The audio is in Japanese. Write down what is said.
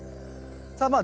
さあまあ